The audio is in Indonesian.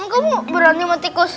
kamu berani sama tikus